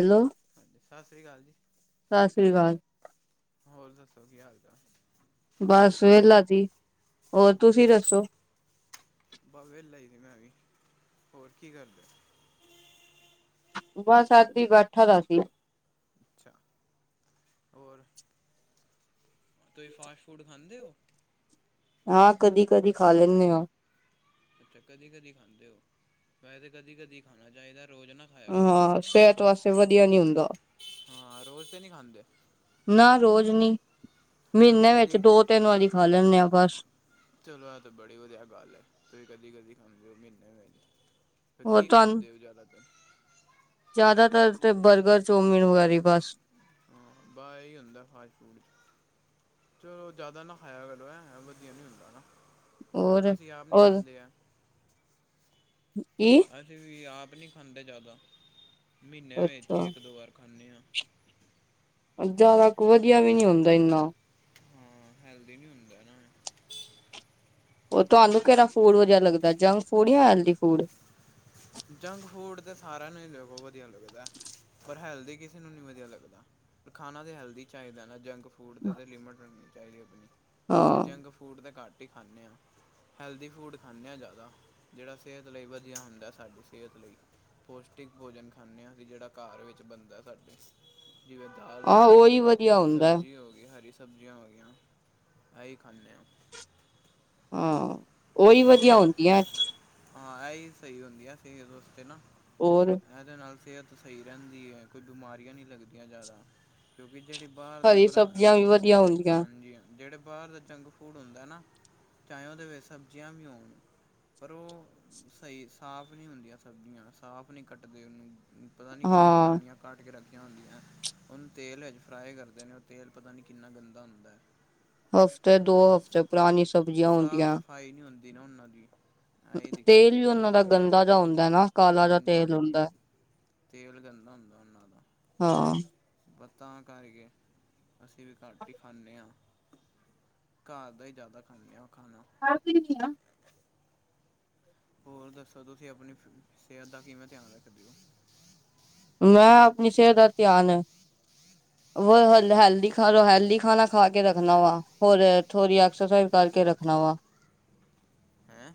Hello ਸਤਿ ਸ਼੍ਰੀ ਅਕਾਲ ਜੀ। ਸਤਿ ਸ਼੍ਰੀ ਅਕਾਲ। ਹੋਰ ਦੱਸੋ, ਕੀ ਹਾਲ ਚਾਲ? ਬਸ ਵਿਹਲਾ ਜੀ ਹੋਰ ਤੁਸੀਂ ਅੱਛਾ ਦੱਸੋ? ਬਸ ਵਿਹਲਾ ਹੀ ਸੀ ਮੈਂ ਵੀ ਹੋਰ ਕੀ ਕਰਦੇ? ਬਸ [inaudible] ਬੈਠਾ ਦਾ ਸੀ ਅੱਛਾ ਹੋਰ? ਤੁਸੀਂ ਫਾਸਟ ਫੂਡ ਖਾਂਦੇ ਹੋ? ਹਾਂ, ਕਦੀ, ਕਦੀ ਖਾ ਲੈਂਦੇ ਹਾਂ। ਅੱਛਾ ਕਦੀ ਕਦੀ ਖਾਂਦੇ ਹੋ ਵੈਸੇ ਕਦੀ ਕਦੀ ਖਾਣਾ ਚਾਹੀਦਾ ਰੋਜ਼ ਨਾ। ਖਾਇਆ ਕਰੋ ਹਾਂ ਸਿਹਤ ਵਾਸਤੇ ਵਧੀਆ ਨੀ ਹੁੰਦਾ। ਹਾਂ ਰੋਜ਼ ਤਾਂ ਨਹੀਂ ਖਾਂਦੇ ਨਾ ਰੋਜ਼ ਨੀ ਫਿਰ ਕਦੀ ਮਹੀਨੇ ਵਿੱਚ ਕਦੀ ਦੋ ਤਿੰਨ ਵਾਰੀ ਖਾ ਲੈਂਦੇ ਆ ਬਸ। ਚਲੋ ਇਹ ਤਾਂ ਬੜੀ ਵਧੀਆ ਗੱਲ ਹੈ। ਤੁਸੀਂ ਕਦੀ ਕਦੀ ਖਾਂਦੇ ਹੋ ਮਹੀਨੇ ਵਿੱਚ ਫਿਰ ਹੋਰ ਕੀ ਤੁਹਾਨੂੰ ਖਾਂਦੇ ਹੋ ਜ਼ਿਆਦਾਤਰ? ਜ਼ਿਆਦਾਤਰ ਤੇ ਬਰਗਰ ਚੌਮਿਨ ਵਗੈਰਾ ਬਸ। ਬਸ ਇਹੀ ਹੁੰਦਾ ਫਾਸਟ ਫੂਡ 'ਚ। ਚਲੋ ਜ਼ਿਆਦਾ ਨਾ ਖਾਇਆ ਕਰੋ ਵਧੀਆ ਨੀ ਹੁੰਦਾ ਹਨਾ। ਹੋਰ ਅਸੀਂ ਆਪ ਨਹੀਂ ਖਾਂਦੇ ਹਾਂ। ਕਿ? ਅਸੀਂ ਵੀ ਆਪ ਨਹੀਂ ਖਾਂਦੇ ਜ਼ਿਆਦਾ ਮਹੀਨੇ ਵਿੱਚ ਅੱਛਾ ਇੱਕ ਦੋ ਵਾਰ ਖਾਂਦੇ ਹਾਂ। ਜ਼ਿਆਦਾ ਕੁ ਵਧੀਆ ਵੀ ਨੀ ਹੁੰਦਾ ਇੰਨਾ। ਹਾਂ ਹੈਲਦੀ ਨੀ ਹੁੰਦਾ ਨਾ। ਉਹ ਤੁਹਾਨੂੰ ਹਾਂ ਕਿਹੜਾ ਫੂਡ ਵਧੀਆ ਲੱਗਦਾ ਜੰਕ ਫੂਡ ਕੇ ਹੈਲਥੀ ਫੂਡ। ਜੰਕ ਫੂਡ ਤਾਂ ਸਾਰਿਆਂ ਨੂੰ ਹੀ ਬਹੁਤ ਵਧੀਆ ਲੱਗਦਾ ਪਰ ਹੈਲਦੀ ਕਿਸੇ ਨੂੰ ਨਹੀਂ ਵਧੀਆ ਲੱਗਦਾ। ਖਾਣਾ ਦੇ ਹੈਲਦੀ ਚਾਹੀਦਾ ਨਾ ਜੰਕ ਫੂਡ ਦੇ ਤਾਂ ਲਿਮਿਟ ਰੱਖਣੀ ਚਾਹੀਦੀ ਆਪਣੀ ਹਾਂ ਅਤੇ ਜੰਕ ਫੂਡ ਦੇ ਘੱਟ। ਰੋਟੀ ਖਾਂਦੇ ਹਾਂ ਹੈਲਦੀ ਫੂਡ ਖਾਂਦੇ ਹਾਂ ਜ਼ਿਆਦਾ ਜਿਹੜਾ ਸਿਹਤ ਲਈ ਵਧੀਆ ਹੁੰਦਾ। ਸਾਡੀ ਸਿਹਤ ਲਈ ਪੌਸ਼ਟਿਕ ਭੋਜਨ ਖਾਂਦੇ ਹਾਂ ਅਸੀਂ ਜਿਹੜਾ ਘਰ ਵਿੱਚ ਬਣਦਾ ਸਾਡੇ। ਜਿਵੇਂ ਦਾਲ ਹੋ ਆਹ ਗਈ ਉਹੀ ਵਧੀਆ ਹੁੰਦਾ ਸਬਜ਼ੀ ਹੋ ਗਈ ਹਰੀ ਸਬਜ਼ੀਆਂ ਹੋਈਆਂ ਆਹੀ ਖਾਂਦੇ ਹਾਂ। ਹਾਂ ਉਹ ਹੀ ਹੋਰ ਵਧੀਆ ਹੁੰਦਿਆਂ। ਹਾਂ ਇਹੀ ਸਹੀ ਹੁੰਦੀਆਂ ਸੀ ਇਸ ਵਾਸਤੇ ਨਾ। ਹੋਰ। ਇਹਦੇ ਨਾਲ ਸਿਹਤ ਸਹੀ ਰਹਿੰਦੀ ਹੈ ਕੋਈ ਬਿਮਾਰੀਆਂ ਨਹੀਂ ਲੱਗਦੀਆਂ ਜ਼ਿਆਦਾ। ਕਿਉਂਕਿ ਜਿਹੜੇ ਬਾਹਰ ਦੇ ਹਰੀ ਬ ਸਬਜ਼ੀਆਂ ਵੀ ਵਧੀਆ ਹੁੰਦੀਆਂ। ਹਾਂਜੀ ਹਾਂ ਜਿਹੜੇ ਬਾਹਰ ਦਾ ਜੰਕ ਫੂਡ ਹੁੰਦਾ ਨਾ ਚਾਹ ਉਹਦੇ ਵਿੱਚ ਸਬਜ਼ੀਆਂ ਵੀ ਹੋਣ ਪਰ ਉਹ ਸਹੀ ਸਾਫ਼ ਨਹੀਂ ਹੁੰਦੀਆਂ ਸਬਜ਼ੀਆਂ ਸਾਫ਼ ਨਹੀਂ ਕੱਟਦੇ ਉਹਨੂੰ। ਪਤਾਂ ਨੀਂ ਕਿੰਨੀਆਂ ਹਾਂ, ਪੁਰਾਣੀਆਂ। ਕੱਟ ਕੇ ਰੱਖੀਆਂ ਹੁੰਦੀਆਂ। ਉਹਨੂੰ ਤੇਲ ਵਿੱਚ ਫਰਾਈ ਕਰਦੇਂ ਨੇਂ ਉਹ ਤੇਲ ਪਤਾਂ ਨ੍ਹੀਂ ਕਿੰਨਾਂ ਗੰਦਾ ਹੁੰਦਾਂ ਐਂ। ਹਫ਼ਤੇ ਦੋ ਹਫ਼ਤੇ ਪੁਰਾਣੀ ਸਬਜ਼ੀਆਂ ਹੁੰਦੀਆਂ। ਸਫ਼ਾਈ ਨੀਂ ਹੁੰਦੀਂ ਨਾ ਉਹਨਾਂ ਦੀ। ਆਹੀ ਦਿੱਕਤ ਤੇਲ ਹੈ ਵੀ ਉਹਨਾਂ ਦਾ ਗੰਦਾ ਜੀਆ ਹੁੰਦਾਂ ਹੈਂ ਨਾ। ਕਾਲਾ ਜਾ ਹਾਂਜੀ, ਤੇਲ ਹਾਂਜੀ ਹੁੰਦਾ ਤੇਲ ਗੰਦਾ ਹੁੰਦਾਂ ਉਹਨਾਂ ਦਾ। ਹਾਂ। ਪਤਾਂ ਕਰ ਕੇ ਅਸੀਂ ਵੀ ਘੱਟ ਹੀ ਖਾਂਦੇ ਹਾਂ। ਘਰ ਦਾ ਹੀ ਜ਼ਿਆਦਾ ਖਾਂਣੇ ਆ ਖਾਣਾਂ। [inaudible] ਹੋਰ ਦੱਸੋਂ ਤੁਸੀਂ ਆਪਣੀਂ ਸਿਹਤ ਦਾ ਕਿਵੇਂ ਧਿਆਂਨ ਰੱਖਦੇ ਹੋ। ਮੈਂ ਆਪਣੀ ਸਿਹਤ ਦਾ ਧਿਆਨ। ਹੋਰ ਹੈਲਦੀ ਖਾਲੋ ਹੈਲਦੀ ਖਾਣਾਂ ਖਾਂ ਕੇ ਰੱਖਣਾਂ ਵਾ ਹੋਰ ਥੋੜ੍ਹੀ ਐਕਸਜਸਾਈਜ਼ ਕਰਕੇ ਰੱਖਣਾਂ ਵਾ। ਹੈ।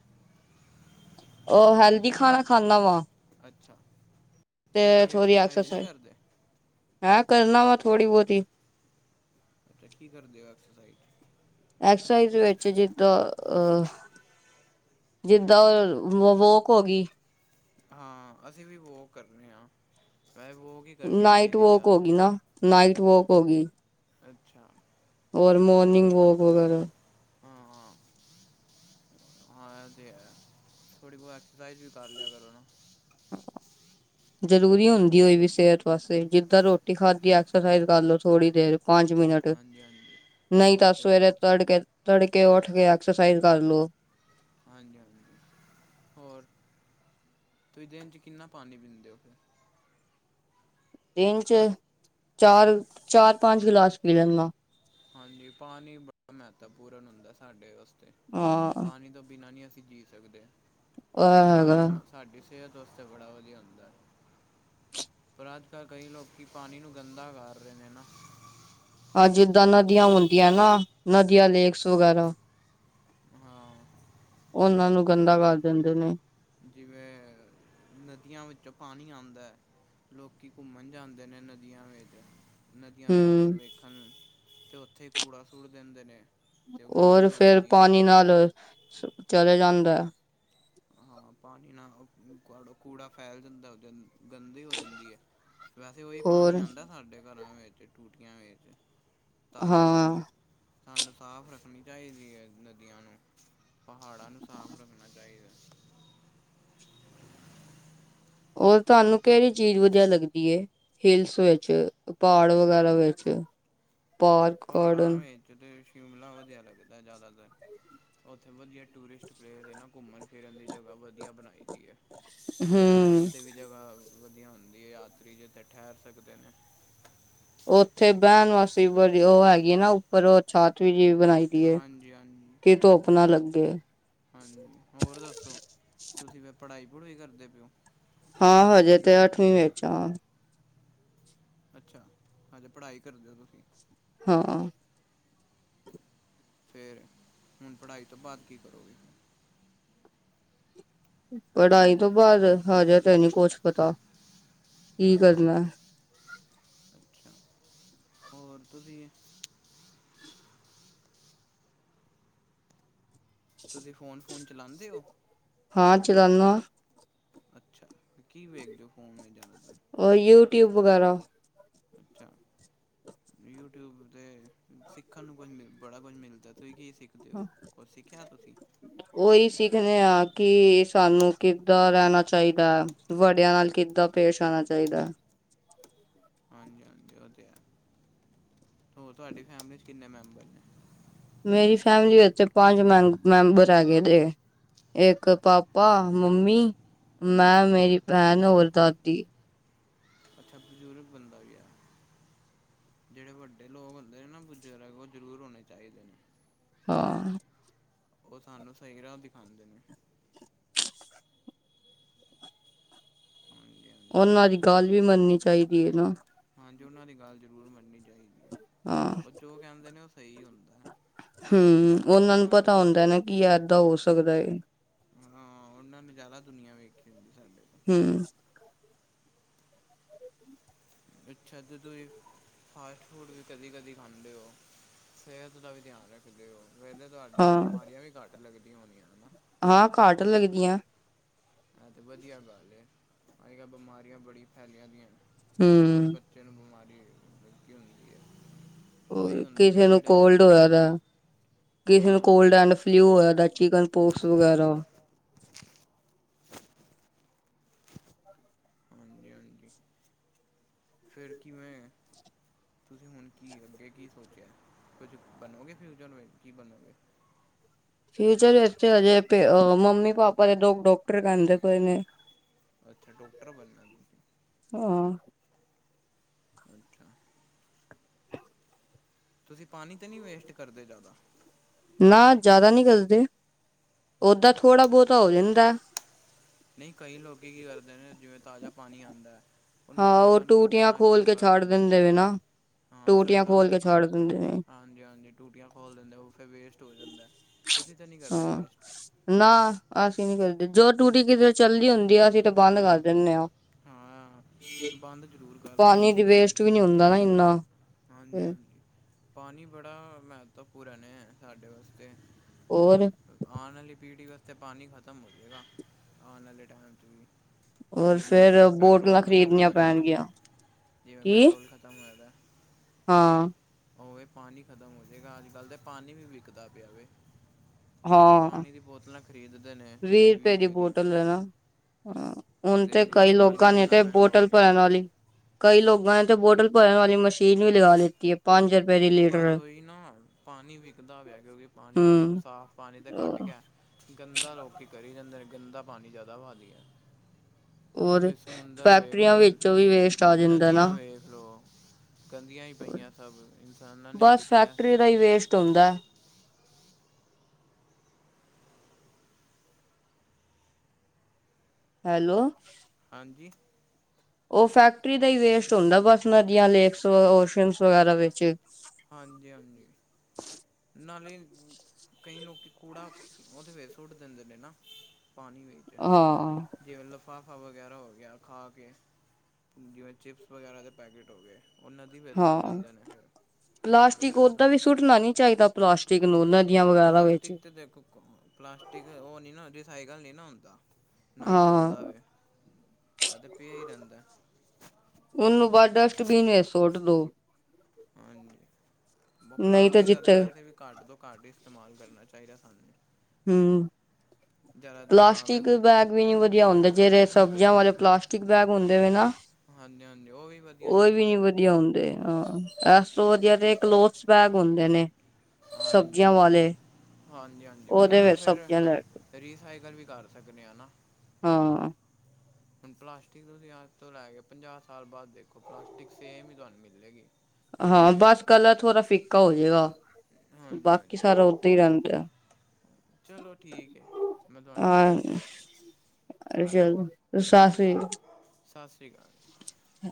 ਉਹ ਹੈਲਦੀ ਖਾਣਾਂ ਖਾਂਦਾ ਵਾ। ਅੱਛਾ। ਨਹੀਂ ਤੇ ਕੋਈ ਥੋੜ੍ਹੀ ਐਕਸਰਸਾਈਜ਼ ਨਹੀਂ ਐਕਸਜਸਾਈਜ਼। ਕਰਦੇ ਮੈਂ ਕਰਨਾਂ ਵਾ ਥੋੜੀ ਬਹੁਤੀ। ਅੱਛਾ ਕੀ ਕਰਦੇਂ ਹੋ ਐਕਸਜਸਾਈਜ਼ ਐਕਸਸਾਈਜ਼ ਵਿੱਚ ਜਿੱਦਾਂ ਆਹ। ਜਿੱਦਾਂ ਉਹ ਵੋ ਵੋਕ ਹੋਗੀ। ਹਾਂ ਅਸੀਂ ਵੀ ਵੋਕ ਕਰਨੇਂ ਹਾਂ। ਵੈਹੇ ਵੋਕ ਹੀ ਕਰਨੀ ਨਾਈਟ ਚਾਹੀਦੀ ਵੋਕ ਜ਼ਿਆਦਾ ਹੋਗੀ ਨਾ। ਨਾਈਟ ਵੋਕ ਹੋਗੀ ਅੱਛਾ। ਹੋਰ ਮੋਰਨਿੰਗ ਵੋਕ ਵਗ਼ੈਰਾ। ਹਾਂ ਹਾਂ। ਹਾਂ ਇਹ ਤੇ ਹੈਂ। ਥੋੜ੍ਹੀ ਬਹੁਤ ਐਕਸਜਸਾਈਜ਼ ਵੀ ਕਰ ਲਿਆ ਕਰੋ ਨਾ। [inaudible] ਜ਼ਰੂਰੀ ਹੁੰਦੀਂ ਹੋਈ ਵੀ ਸਿਹਤ ਵਾਸਤੇ। ਜਿੱਦਾਂ ਰੋਟੀ ਖਾਧੀ ਐਕਸਜਸਾਈਜ਼ ਕਰ ਲੋ ਥੋੜ੍ਹੀ ਦੇਰ। ਪੰਜ ਮਿੰਟ ਹਾਂਜੀ ਹਾਂਜੀ ਨਹੀਂ ਉਹ ਤਾਂ ਤੇ ਹੈ ਸਵੇਰੇ ਤੜਕੇ, ਤੜਕੇ ਉੱਠ ਕੇ ਐਕਸਸਾਈਜ਼ ਕਰ ਲੋ। ਹਾਂਜੀ, ਹਾਂਜੀ ਹੋਰ ਤੁਸੀਂ ਦਿਨ 'ਚ ਕਿੰਨਾਂ ਪਾਣੀਂ ਪੀਂਦੇ ਹੋ। ਦਿਨ ਚ ਚਾਰ, ਚਾਰ ਪੰਜ ਗਲਾਸ ਪੀ ਲੈਨਾਂ। ਹਾਂਜੀ, ਪਾਣੀਂ ਬਹੁਤ ਮਹੱਤਵਪੂਰਨ ਹੁੰਦਾਂ ਸਾਡੇ ਵਾਸਤੇ। ਆਹ। ਪਾਣੀ ਤੋਂ ਬਿਨਾਂ ਨੀਂ ਅਸੀਂ ਜੀਅ ਸਕਦੇ ਇਹ ਪਾਣੀ ਹੈਗਾ ਮਸਾਂ ਸਾਡੀ ਸਿਹਤ ਵਾਸਤੇ ਬੜਾ ਵਧੀਆਂ ਹੁੰਦਾਂ। ਪਰ ਅੱਜ਼ ਕੱਲ੍ਹ ਕਈ ਲੋਕੀਂ ਪਾਣੀ ਨੂੰ ਗੰਦਾ ਕਰ ਰਹੇਂ ਨੇਂ ਨਾ। ਆ ਜਿੱਦਾਂ ਨਦੀਆਂ ਹੁੰਦੀਆਂ ਨਾ ਨਦੀਆਂ ਲੇਕਸ ਵਗ਼ੈਰਾ। ਹਾਂ। ਉਹਨਾਂ ਨੂੰ ਗੰਦਾ ਕਰ ਦਿੰਦੇਂ ਨੇਂ। ਜਿਵੇਂ ਨਦੀਆਂ ਵਿੱਚੋਂ ਪਾਣੀਂ ਆਂਦਾ। ਲੋਕੀਂ ਘੁੰਮਣ ਜਾਂਦੇ ਨੇਂ ਨਦੀਆਂ ਵਿੱਚ। ਨਦੀਆਂ ਦੇ ਅੰਦਰ ਹੂੰ ਵੇਖਣ। ਤੇ ਉੱਥੇ ਕੂੜਾ ਸੁੱਟ ਦਿੰਦੇਂ ਨੇਂ। ਹੋਰ ਫ਼ਿਰ ਪਾਣੀ ਨਾਲ ਚਲੇ ਜਾਂਦਾ ਹੈਂ। ਹਾਂ, ਪਾਣੀਂ ਨਾਲ਼ ਕਾੜੂ, ਕੂੜਾ ਫੈਲ ਜਾਂਦਾ ਓਹਦੇ ਅੰ ਗੰਦੀ ਹੋ ਜਾਂਦੀ ਏ, ਵੈਸੇ ਉਹੀ ਹੋਰ ਪਾਣੀਂ ਆਂਦਾ ਸਾਡੇ ਘਰਾਂ ਵਿੱਚ। ਟੂਟੀਆਂ ਵਿੱਚ, ਤਾਜ਼ਾ ਹਾਂ ਪਾਣੀ। ਸਾਨੂੰ ਸਾਫ਼ ਰੱਖਣੀ ਚਾਹੀਦੀ ਹੈਂ ਨਦੀਆਂ ਨੂੰ, ਪਹਾੜਾਂ ਨੂੰ ਸਾਫ਼ ਰੱਖਣਾਂ ਚਾਹੀਂਦਾ। ਓਰ, ਤੁਹਾਂਨੂੰ ਕਿਹੜੀ ਚੀਜ਼ ਵਧੀਆ ਲੱਗਦੀ‌ ਏ? ਹੀਲਸ ਵਿੱਚ, ਪਹਾੜ ਵਗ਼ੈਰਾ ਵਿੱਚ। ਪਾਰਕ, ਗਾਰਡਨ ਪਹਾੜਾਂ ਵਿੱਚ ਤੇ ਸ਼ਿਮਲਾ ਵਧੀਆ ਲੱਗਦਾ, ਜ਼ਿਆਦਾਤਰ। ਉੱਥੇ ਵਧੀਆ ਟੂਰਿਸਟ ਪਲੇਸ ਹੈ ਨਾ, ਘੁੰਮਣ-ਫਿਰਨ ਦੀ ਜਗ੍ਹਾ ਵਧੀਆ ਬਣਾਈਦੀ ਐ। ਰਹਿਣ ਹੂੰ। ਵਾਸਤੇ ਵੀ ਜਗ੍ਹਾ ਵਧੀਆ ਹੁੰਦੀ ਹੈ, ਯਾਤਰੀ ਜਿੱਥੇ ਠਹਿਰ ਸਕਦੇ ਨੇ। ਉੱਥੇ ਬਹਿਣ ਵਾਸਤ--ਵੀ ਵਧੀ ਉਹ ਹੈਗੀ ਨਾ, ਓਹ। ਪਰਓਛਾਤਵੀ ਜੀ ਬਣਾਈਦੀ ਏ, ਹਾਂਜੀ ਕਿ ਧੁਪ ਨਾ ਲੱਗੇ। ਹਾਂਨ--ਹੋਰ ਦੱਸੋ, ਤੁਸੀਂ ਫਿਰ ਪੜ੍ਹਾਈ-ਪੜ੍ਹੂਈ ਕਰਦੇ ਪਏ ਓ? ਹਾਂ, ਹਜੇ ਤੇ ਅੱਠਵੀਂ ਵਿੱਚ ਆਂ। ਅੱਛਾ! ਮਤਲਬ, ਪੜ੍ਹਾਈ ਕਰਦੇ ਓ ਤੁਸੀਂ? ਹਾਂ। ਫਿਰ, ਹੁਣ ਪੜ੍ਹਾਈ ਤੋ ਬਾਅਦ ਕੀ ਕਰੋਗੇ? ਪੜ੍ਹਾਈ ਤੋ ਬਾਅਦ ਹਜੇ ਤੇ ਨੀ ਕੁਛ ਪਤਾ, ਕੀ ਕਰਨਾ। ਅੱਛਾ ਹੋਰ ਤੁਸੀਂ ਤੁਸੀਂ, ਫੋਨ-ਫੁਨ ਚਲਾਉਂਦੇ ਓ? ਹਾਂ, ਚਲਾਂਨਾ। ਅੱਛਾ! ਕੀ ਵੇਖਦੇ ਹੋ, ਫੋਨ ਵਿੱਚ ਜਿਆਦਾ? ਉਹ, ਯੂਟਿਊਬ ਵਗੈਰਾ। ਅੱਛਾ। ਯੂਟਿਊਬ ਤੇ ਸਿੱਖਣ ਨੂੰ ਕੁਝ ਮ ਬੜਾ ਕੁਝ ਮਿਲਦਾ, ਤੁਸੀਂ ਕੀ ਸਿੱਖ ਦਿਓ, ਓਰ ਸਿੱਖਿਆ ਤੁਸੀ? ਉਹੀ ਸਿੱਖਨੇਂ ਆਂ, ਕਿ ਸਾਨੂੰ ਕਿੱਦਾਂ ਰਹਿਣਾ ਚਾਹੀਦਾ। ਵੱੜਿਆਂ ਨਾਲ, ਕਿੱਦਾਂ ਪੇਸ਼ ਆਣਾ ਚਾਹੀਦਾ। ਹਾਂਜੀ-ਹਾਂਜੀ, ਉਹ ਤੇ ਹੈ। ਹੋਰ, ਤੁਹਾਡੀ ਫੈਮਿਲੀ 'ਚ ਕਿੰਨੇ ਮੈਂਬਰ ਨੇ? ਮੇਰੀ ਫੈਮਿਲੀ ਉੱਤੇ ਪੰਜ ਮੈਂ, ਮੈਂਬਰ ਹੈਗੇਦੇ‌। ਇੱਕ ਪਾਪਾ, ਮੰਮੀ, ਅੱਛਾ ਮੈਂ, ਮੇਰੀ ਭੈਣ, ਹੋਰ ਦਾਦੀ। ਅੱਛਾ, ਬਜ਼ੁਰਗ ਬੰਦਾ ਵੀ ਆ? ਜਿਹੜੇ ਵੱਡੇ ਲੋਕ ਹੁੰਦੇ ਨੇ ਨਾ ਬਜ਼ੁਰਗ, ਉਹ ਜ਼ਰੂਰ ਹੋਣੇ ਚਾਹੀਦੇ ਨੇ। ਹਾ। ਉਹ ਸਾਨੂੰ, ਸਹੀ ਰਾਹ ਦਿਖਾਓਂਦੇ ਨੇ। ਹਾਂਜੀ-ਹਾਂ। ਉਹਨਾਂ ਦੀ ਗੱਲ ਵੀ ਮੰਨਨੀ ਚਾਹੀਦੀ ਏ, ਨਾ। ਹਾਂਜੀ, ਉਹਨਾਂ ਦੀ ਗੱਲ ਜ਼ਰੂਰ ਮੰਨਨੀ ਚਾਹੀਦੀ ਹੈ, ਹਾਂ ਓ ਜੋ ਕਹਿੰਦੇ ਨੇ, ਉਹ ਸਹੀ ਹੁੰਦਾ। ਹੂੰ, ਉਹਨਾਂ ਨੂੰ ਪਤਾ ਹੁੰਦਾ ਨਾ, ਕੀ ਐਦਾ ਹੋ ਸਕਦਾ ਏ। ਹਾਂ, ਉਹਨਾਂ ਨੇ ਜ਼ਿਆਦਾ ਦੁਨੀਆਂ ਵੇਖੀ ਹੁੰਦੀ, ਸਾਡੇ ਤੋਂ। ਹੂੰ। ਅੱਛਾ, ਜਦੋ ਏ ਫਾਸਟ-ਫੂਡ ਵੀ, ਕਦੀ-ਕਦੀ ਖਾਂਦੇ ਹੋ, ਸਿਹਤ ਦਾ ਵੀ ਧਿਆਨ ਰੱਖਦੇ ਹੋ, ਵੇ ਘਟ ਓ, ਹਾਂ ਬਿਮਾਰੀਆਂ ਵੀ ਘੱਟ ਲੱਗਦੀਆਂ ਹੋਣੀਆਂ, ਹਣਾ। ਹਾਂ, ਘਾਟ ਲੱਗਦੀਆਂ। ਐ, ਤੇ ਵਧੀਆ ਗੱਲ ਏ, ਅੱਜ-ਕੱਲ ਬਿਮਾਰੀਆਂ ਬੜੀਆਂ ਫੈਲਿਦੀਆਂਨ, ਹਰ ਬੱਚ ਹਮ ਬੱਚਿਆਂ ਨੂੰ ਬਿਮਾਰੀ ਲਗੀ ਹੁੰਦੀ ਏ‌। ਹੋਰ ਕਿਸੇ ਨੂੰ ਕੋਲਡ ਹੋਇਆ ਦਾ, ਕਿਸੇ ਨੂੰ ਹਾਂ ਕੋਲਡ ਐਂਡ ਫਿਲਊ ਹੋਇਆ ਦਾ ਚਿਕਨ ਪੋਕਸ ਵਗੈਰਾ ਹਾਂਜੀ- ਹਾਂਜੀ ਫਿਰ ਕਿਵੇਂ ਤੁਸੀਂ ਹੁਣ ਕੀ ਅੱਗੇ ਕੀ ਸੋਚਿਆ ਕੁਝ ਬਣੋਗੇ ਫਿਊਚਰ ਵਿੱਚ ਕੀ ਬਣੋਗੇ। ਫਿਉਚਰ ਵਿਚ ਇੱਥੇ ਹਜੇ ਮੰਮੀ ਪਾਪਾ ਦੇ ਦੋ ਡਾਕਟਰ ਕਹਿੰਦੇ ਪਏ ਨੇ। ਅੱਛਾ ਡੋਕਟਰ ਬਣਨਾ ਤੁਸੀਂ ਆਂ ਅੱਛਾ। ਤੁਸੀ ਪਾਣੀ ਤੇ ਨਹੀਂ, ਵੇਸਟ ਕਰਦੇ ਜ਼ਿਆਦਾ। ਨਾ ਜ਼ਿਆਦਾ ਨਹੀਂ ਗਲਦੇ ਉਦਾਂ ਅੱਛਾ ਥੋੜ੍ਹਾ ਬਹੁਤਾ ਹੋ ਜਾਂਦਾ। ਨਹੀਂ ਕਈ ਲੋਕ ਕੀ ਕਰਦੇ ਨੇ ਜਿਵੇਂ ਤਾਜ਼ਾ ਪਾਣੀ ਆਂਦਾ। ਉਹਨੂੰ ਹਾਂ ਉਹ ਸੜਕਾਂ ਤੇ ਟੂਟੀਆਂ ਸੁੱਟਣਾ ਖੋਲ ਸ਼ੁਰੂ ਕੇ ਕਰ ਛੱਡ ਦਿੰਦੇ ਨੇ ਵੇ ਨਾ ਹਾਂ ਟੂਟੀਆਂ ਸੜਕਾਂ ਤੇ ਖੋਲ ਕੇ ਛੱਡ ਦਿੰਦੇ ਨੇ ਹਾਂਜੀ -ਹਾਂਜੀ ਟੂਟੀਆਂ ਖੋਲ੍ਹ ਦਿੰਦੇ ਉਹ ਫਿਰ ਵੇਸਟ ਹੋ ਜਾਂਦਾ। ਤੁਸੀਂ ਤਾਂ ਨਹੀਂ [inaudible] ਕਰਦੇ ਹਾਂ ਵੇਸਟ ਨਾ ਅਸੀਂ ਨੀ ਕਰਦੇ ਜੋ ਟੂਟੀ ਕਿਤੇ ਚੱਲਦੀ ਹੁੰਦੀ ਆ ਅਸੀਂ ਤਾਂ ਬੰਦ ਕਰ ਦਿੰਦੇ ਆਂ। ਹਾਂ ਬੰਦ ਜ਼ਰੂਰ ਕਰਦਿਆਂ ਕਰੋ। ਕੁਝ ਵੀ ਨੀ ਹੁੰਦਾ ਨਾ ਇੰਨਾ ਹਾਂਜੀ- ਤੇ ਹਾਂਜੀ ਪਾਣੀ ਬੜਾ ਮਹੱਤਵਪੂਰਨ ਹੈ ਸਾਡੇ ਵਾਸਤੇ ਹੋਰ ਆਉਣ ਵਾਲੀ ਪੀੜ੍ਹੀ ਵਾਸਤੇ ਪਾਣੀ ਖਤਮ ਹੋ ਜਾਏਗਾ ਆਉਣ ਵਾਲੇ ਟਾਈਮ ਵੀ ਹੋਰ ਜਿਵੇਂ ਅੱਜ ਫੇਰ ਕੱਲ੍ਹ ਪੈਟਰੋਲ ਬੋਟਲਾਂ ਖ਼ਤਮ ਹੋਇਆ ਖਰੀਦਣੀਆਂ ਦਾ ਹੈ ਨਾ ਪੈਣਗੀਆਂ ਜਿਵੇਂ ਕੀ ਪੈਟਰੋਲ ਖਤਮ ਹੋਇਆ ਦਾ ਹਾਂ ਉਵੇਂ ਪਾਣੀ ਖ਼ਤਮ ਹੋ ਜਾਵੇਗਾ ਅੱਜ ਕੱਲ੍ਹ ਤਾਂ ਪਾਣੀ ਵੀ ਵਿਕਦਾ ਪਿਆ ਵੇ। ਲੋਕੀ ਹਾਂ ਪਾਣੀ ਦੀ ਬੋਤਲਾਂ ਖਰੀਦ ਦੇ ਨੇ ਵੀਹ- ਵੀਹ ਦੀ ਰੁਪਏ ਦੀਆਂ ਬੋਟਲ ਹੈ ਨਾ ਹਾਂ ਹੁਣ ਤੇ ਦੇਖ ਲਓ ਕਈ ਪਾਣੀ ਲੋਕਾਂ ਨੇ ਇੰਨਾ ਤੇ ਮਹਿੰਗਾ ਹੋ ਬੋਟਲ ਗਿਆ ਭਰਨ ਵਾਲੀ ਕਈ ਲੋਕਾਂ ਨੇ ਤੇ ਬੋਟਲ ਭਰਨ ਵਾਲੀ ਮਸ਼ੀਨ ਵੀ ਲਗਾ ਲਤੀ ਏ। ਪੰਜ ਰੁਪਏ ਦੀ। ਬਸ ਲੀਟਰ ਉਹੀ ਨਾ ਪਾਣੀ ਵਿਕਦਾ ਪਿਆ ਕਿਉਂਕਿ ਪਾਣੀ ਹਮ ਸਾਫ਼ ਪਾਣੀ ਤਾਂ ਘੱਟ ਗਿਆ। ਗੰਦਾ ਲੋਕ ਕਰੀ ਜਾਂਦੇ ਨੇ ਗੰਦਾ ਪਾਣੀ ਜ਼ਿਆਦਾ ਵਧ ਗਿਆ। ਹੋਰ ਤੁਸੀਂ ਸਮੁੰਦਰ ਵੇਖ ਫੈਕਟਰੀਆਂ ਲੋ ਵਿੱਚੋਂ ਵੀ ਵੇਸਟ ਆ ਜਾਂਦਾ ਨਾ। ਨਦੀਆਂ ਵੇਖ ਲੋ ਗੰਦੀਆਂ ਹੀ ਪਈਆਂ ਸਭ ਇਨਸਾਨਾਂ ਨੇ ਬਸ ਕੀਤੀਆਂ ਫੈਕਟਰੀ ਦਾ ਹੀ ਵੇਸਟ ਹੁੰਦਾ। ਹੈਲੋ ਹਾਂਜੀ ਉਹ ਫੈਕਟਰੀ ਦਾ ਹੀ ਵੇਸਟ ਹੁੰਦਾ ਬਸ ਨਦੀਆਂ ਲੇਕਸ ਓਸ਼ਨ ਵਗੈਰਾ ਵਿੱਚ ਹਾਂਜੀ- ਹਾਂਜੀ ਨਾਲੇ ਕਈ ਲੋਕ ਕੂੜਾ ਉਹਦੇ ਫਿਰ ਸੂੱਟ ਦਿੰਦੇ ਨੇ ਨਾ। ਪਾਣੀ ਵਿੱਚ ਹਾਂ ਜਿਵੇਂ ਲਿਫਾਫਾ ਵਗੈਰਾ ਹੋ ਗਿਆ ਖਾ ਕੇ ਜਿਵੇਂ ਚਿਪਸ ਵਗੈਰਾ ਦੇ ਪੈਕੇਟ ਹੋ ਗਏ। ਉਹ ਨਦੀ ਵਿਚ ਸੁਟ ਹਾਂ ਦਿੰਦੇ ਨੇ ਫਿਰ- ਫਿਰ ਉਹ ਗੰਦਾ ਸੁਟਣਾ ਨੀ ਚਾਹੀਦਾ ਪਲਾਸਟਿਕ ਨੂੰ ਨਦੀਆਂ ਵਗੈਰਾ ਵਿੱਚ ਪਲਾਸਟਿਕ ਤੇ ਦੇਖੋ। [unintelligible] ਪਲਾਸਟਿਕ ਉਹ ਨਹੀਂ ਨਾ ਰੀਸਾਈਕਲ ਨਹੀਂ ਨਾ ਹੁੰਦਾ। ਨਾ ਹੀ ਹਾਂ ਗਲਦਾ ਵੇ ਇਹ ਤੇ ਪਿਆ ਹੀ ਰਹਿੰਦਾ। ਉਹਨੂੰ ਬਾਅਦ ਡਸਟਬੀਨ ਵਿੱਚ ਸੁੱਟ ਦੋ। ਹਾਂਜੀ ਨਹੀਂ ਪਲਾਸਟਿਕ ਦਾ ਤਾਂ ਜਿੱਥੇ ਵੈਸੇ ਵੀ ਘੱਟ ਤੋਂ ਘੱਟ ਇਸਤੇਮਾਲ ਕਰਨਾ ਚਾਹੀਦਾ ਸਾਨੂੰ ਹੂੰ ਜ਼ਿਆਦਾਤਰ ਕਾਗਜ਼ ਪਲਾਸਟਿਕ ਬੈਗ ਵੀ ਨੀ ਵਧੀਆ ਹੁੰਦੇ ਜਿਹੜੇ ਸਬਜ਼ੀਆਂ ਵਾਲੇ ਪਲਾਸਟਿਕ ਬੈਗ ਹੁੰਦੇ ਵੇ ਨਾ। ਹਾਂਜੀ ਹਾਂਜੀ ਉਹ ਵੀ ਵਧੀਆ ਉਹ ਨਹੀਂ ਵੀ ਨੀ ਹੁੰਦੇ ਵਧੀਆ ਹੁੰਦੇ। ਹਾਂ ਏਸ ਤੋ ਵਧੀਆ ਦੇ ਕਲੋਥਸ ਬੈਗ ਹੁੰਦੇ ਨੇ। ਹਾਂਜੀ ਸਬਜ਼ੀਆਂ ਹਾਂਜੀ ਵਾਲੇ ਹਾਂਜੀ ਹਾਂਜੀ ਉਹਨਾਂ ਉਹਦੇ ਨੂੰ ਵਿੱਚ ਫਿਰ ਸਬਜ਼ੀਆਂ ਲੈ ਰੀਸਾਈਕਲ ਵੀ ਕਰ ਸਕਦੇ ਹਾਂ ਨਾ ਹਾਂ ਹੁਣ ਪਲਾਸਟਿਕ ਤੁਸੀਂ ਅੱਜ ਤੋਂ ਲੈ ਕੇ ਪੰਜਾਹ ਸਾਲ ਬਾਅਦ ਦੇਖੋ ਪਲਾਸਟਿਕ ਸੇਮ ਹੀ ਤੁਹਾਨੂੰ ਮਿਲੇਗੀ ਜਿਵੇਂ ਹਾਂ ਤੁਸੀਂ ਬਸ ਰੱਖੀ ਕਲਰ ਸੀ ਥੋੜ੍ਹਾ ਫਿੱਕਾ ਹੋ ਜਾਏਗਾ ਹਾਂਜੀ ਬਾਕੀ ਹਾਂਜੀ ਸਾਰਾ ਓਦਾਂ ਹੀ ਰਹਿੰਦਾ। ਚਲੋ ਠੀਕ ਹੈ ਮੈਂ ਤੁਹਾਨੂੰ ਫਿਰ ਕੋਲ ਕਰਾਂ ਸਤਿ ਸ੍ਰੀ ਸਤਿ ਸ੍ਰੀ ਅਕਾਲ! ਹਾਂ